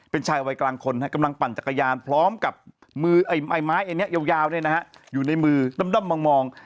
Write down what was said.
เป็นชายวัยกลางคนกำลังปั่นจักรยานพร้อมกับมือไม้อันนี้ยาวอยู่ในมือด้อมมอง